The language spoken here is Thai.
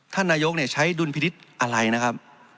ท่านนายกใช้ดุลพินิษฐ์อะไรนะครับ